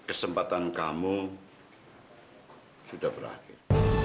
kehidupan kamu sudah berakhir